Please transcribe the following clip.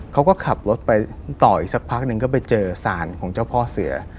เขาก็ขับรถไปต่ออีกสักพักหนึ่งก็ไปเจอสารของเจ้าพ่อเสือ